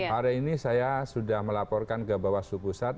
hari ini saya sudah melaporkan ke bawaslu pusat